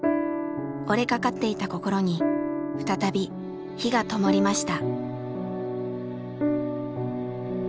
折れかかっていた心に再び火がともりました。